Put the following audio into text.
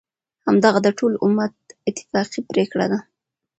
همدغه د ټول امت اتفاقی پریکړه ده،